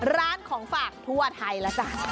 ร้านของฝากทั่วไทยแล้วจ้ะ